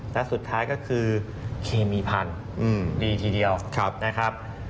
และสุดท้ายก็คือเคมีพันธุ์ดีทีเดียวนะครับ